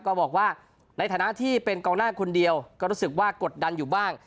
ก็บอกว่าในฐานะที่เป็นกองหน้าคนเดียวก็รู้สึกว่ากดดันอยู่บ้าง